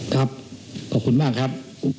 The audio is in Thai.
ครับขอบคุณมากครับ